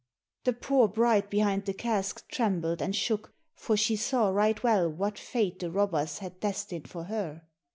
The poor bride behind the cask trembled and shook, for she saw right well what fate the robbers had destined for her.